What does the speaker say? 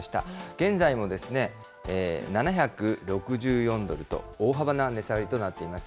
現在も７６４ドルと大幅な値下がりとなっています。